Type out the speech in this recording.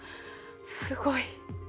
すごい！